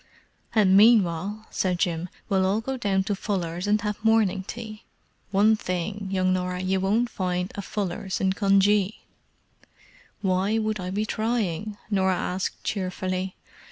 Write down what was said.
"And meanwhile," said Jim, "we'll all go down to Fuller's and have morning tea. One thing, young Norah, you won't find a Fuller's in Cunjee!" "Why would I be trying?" Norah asked cheerfully.